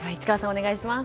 お願いします。